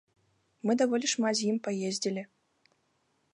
Мы даволі шмат з ім паездзілі.